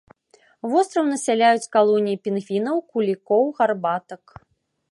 Востраў насяляюць калоніі пінгвінаў, кулікоў, гарбатак.